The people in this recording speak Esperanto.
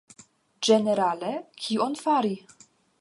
Ĝenerale, kion fari?